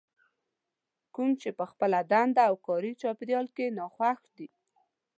کوم چې په خپله دنده او کاري چاپېريال کې ناخوښ دي.